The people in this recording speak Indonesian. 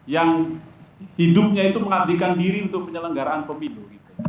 yang hidupnya itu mengabdikan diri untuk penyelenggaraan pemilu